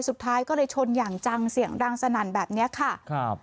สุดท้ายก็เลยชนอย่างจังเสียงดังสนั่นแบบเนี้ยค่ะครับ